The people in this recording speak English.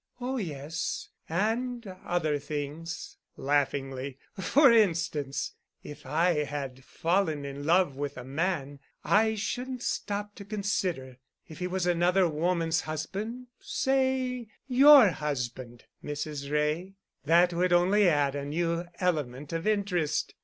"Oh, yes—and other things——" laughingly. "For instance, if I had fallen in love with a man I shouldn't stop to consider. If he was another woman's husband—say your husband, Mrs. Wray—that would only add a new element of interest.